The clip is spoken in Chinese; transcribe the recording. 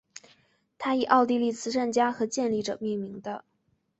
它以奥地利慈善家和建立者命名的。